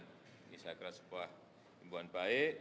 ini saya kira sebuah himbuan baik